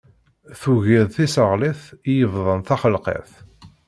Tugiḍ tiseɣlit i yebḍan taxelqit.